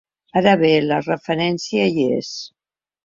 Ara bé, la referència hi és.